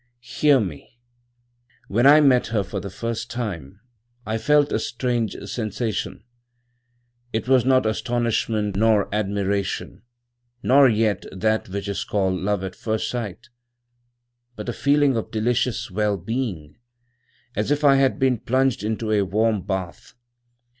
"Hear me: "When I met her for the first time I felt a strange sensation. It was not astonishment nor admiration, nor yet that which is called love at first sight, but a feeling of delicious well being, as if I had been plunged into a warm bath.